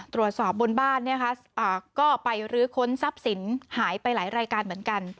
ตรวจสอบบนบ้านก็ไปรื้อค้นทรัพย์สินหายไปหลายรายการเหมือนกัน